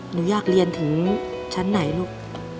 หนูอยากเรียนถึงชั้นไหนลูก